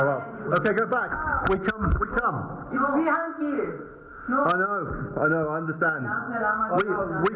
เราจะมาไม่เป็นไร